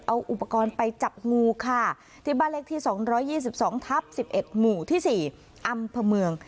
เอาอุปกรณ์ไปจับงูค่ะที่บ้านเลขที่๒๒ทับ๑๑หมู่ที่๔อำเภอเมือง